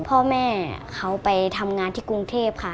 พ่อแม่เขาไปทำงานที่กรุงเทพค่ะ